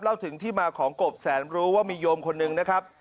เล่าถึงที่มาของกบแสนรู้ว่ามีโยมคนนึงนะครับ